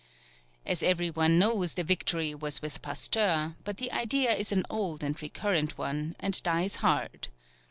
As every one knows, the victory was with Pasteur, but the idea is an old and recurrent one, and dies hard.